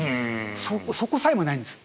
そこさえもないんです。